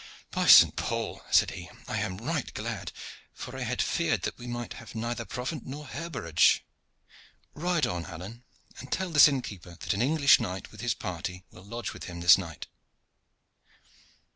"By St. Paul!" said he, "I am right glad; for I had feared that we might have neither provant nor herbergage. Ride on, Alleyne, and tell this inn keeper that an English knight with his party will lodge with him this night."